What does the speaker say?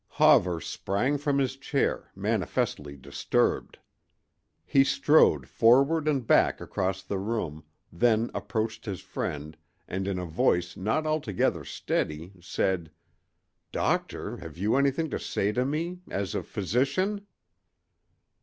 Hawver sprang from his chair, manifestly disturbed. He strode forward and back across the room; then approached his friend, and in a voice not altogether steady, said: "Doctor, have you anything to say to me—as a physician?"